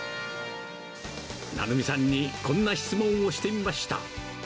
成美さんにこんな質問をしてみました。